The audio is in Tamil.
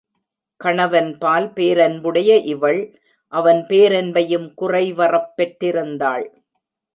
கணவன்பால் பேரன்புடைய இவள், அவன் பேரன்பையும் குறைவறப் பெற்றிருந்தாள்.